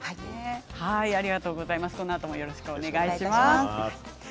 このあともよろしくお願いします。